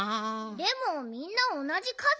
でもみんなおなじかずだよ。